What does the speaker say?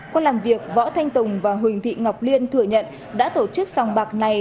qua làm việc võ thanh tùng và huỳnh thị ngọc liên thừa nhận đã tổ chức sòng bạc này